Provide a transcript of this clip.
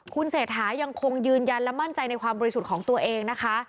คุณเศรษฐายังคงยืนยันและมั่นใจในความบริสุทธิ์ของตัวเองนะคะ